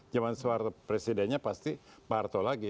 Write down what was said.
zaman soeharto presidennya pasti pak harto lagi